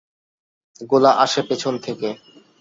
গোলা আসে পেছন থেকে।